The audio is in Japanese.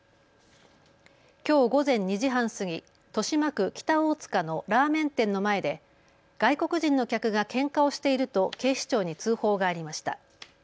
きょう午前２時半過ぎ、豊島区北大塚のラーメン店の前で外国人の客がけんかをしていると警視庁に通報がありました。